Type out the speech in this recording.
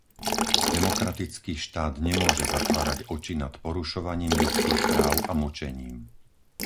Demokratický štát nemôže zatvárať oči nad porušovaním ľudských práv a mučením.